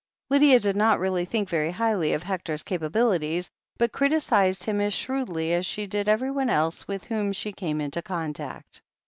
Lydia did not really think very highly of Hector's capabilities, but criticized him as shrewdly as she did everyone else with whom she came into contact.